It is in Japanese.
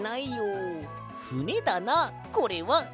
ふねだなこれは。